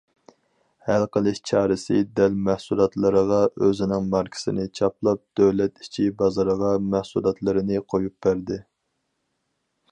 ھەل قىلىش چارىسى دەل مەھسۇلاتلىرىغا ئۆزىنىڭ ماركىسىنى چاپلاپ دۆلەت ئىچى بازىرىغا مەھسۇلاتلىرىنى قويۇپ بەردى.